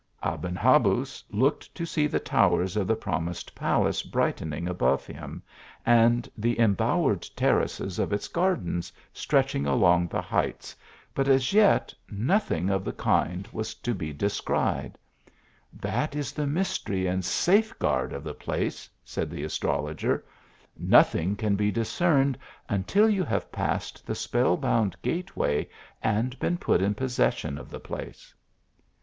Aben Habuz looked to see the towers of the prom ised palace brightening above him, and the embow ered terraces of its gardens stretching along the heights, but as yet, nothing of the king was to be descried. " That is the mystery and safeguard of the place," said the astrologer, " nothing can be discern ed until you have passed the spell bound gateway, and been put in possession of the place." THE ARABIAN AS TR OL GER.